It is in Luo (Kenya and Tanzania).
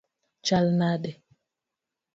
Chal nade?